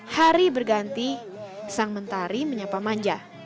hari berganti sang mentari menyapa manja